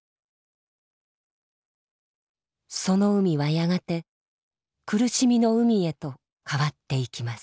その海はやがて苦しみの海へと変わっていきます。